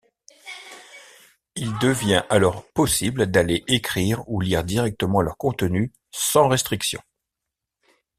Il devient alors possible d'aller écrire ou lire directement leur contenu sans restrictions.